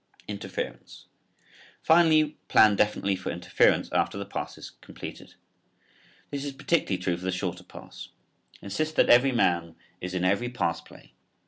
INTERFERENCE. Finally, plan definitely for interference after the pass is completed. This is particularly true for the shorter passes. Insist that every man is in every pass play.